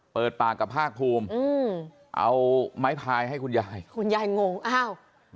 เปิดปากกับภาคภูมิอืมเอาไม้พายให้คุณยายคุณยายงงอ้าว